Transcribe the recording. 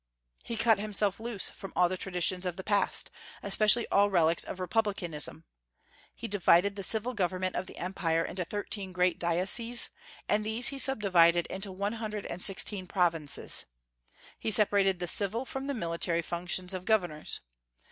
He cut himself loose from all the traditions of the past, especially all relics of republicanism. He divided the civil government of the Empire into thirteen great dioceses, and these he subdivided into one hundred and sixteen provinces. He separated the civil from the military functions of governors.